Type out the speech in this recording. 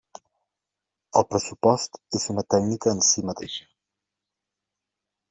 El pressupost és una tècnica en si mateixa.